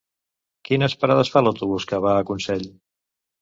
Quines parades fa l'autobús que va a Consell?